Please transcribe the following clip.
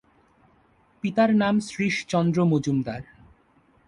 পিতার নাম শ্রীশচন্দ্র মজুমদার।